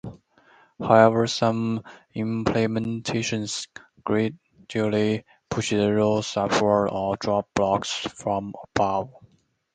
However, some implementations gradually push the rows upward or drop blocks from above.